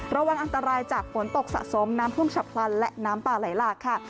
ระวังอันตรายจากฝนตกสะสมน้ำท่วมฉับพลันและน้ำป่าไหลหลากค่ะ